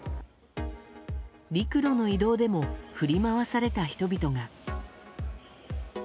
陸路の移動でも振り回された人々が。